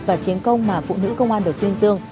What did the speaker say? và chiến công mà phụ nữ công an được tuyên dương